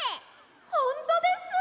ほんとです！